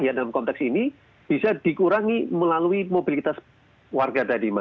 ya dalam konteks ini bisa dikurangi melalui mobilitas warga tadi mbak